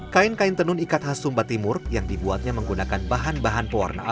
kain kain tenun ikat khas sumba timur yang dibuatnya menggunakan kain peneliti yang diperlukan untuk menjaga keberadaan